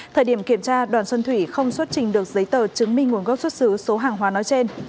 thời điểm kiểm tra đoàn xuân thủy không xuất trình được giấy tờ chứng minh nguồn gốc xuất xứ số hàng hóa nói trên